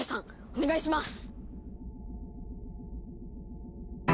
お願いします！